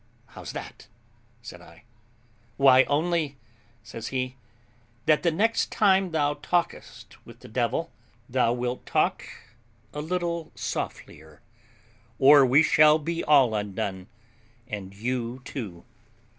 "How's that?" said I. "Why, only," says he, "that the next time thou talkest with the devil, thou wilt talk a little softlier, or we shall be all undone, and you too."